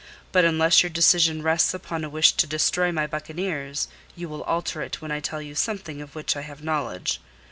But unless your decision rests upon a wish to destroy my buccaneers, you will alter it when I tell you something of which I have knowledge.